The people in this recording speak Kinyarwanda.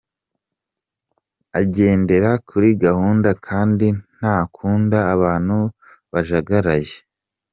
Agendera kuri gahunda kandi ntakunda abantu bajagaraye.